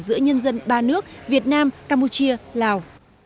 giữa nhân dân ba nước việt nam campuchia lào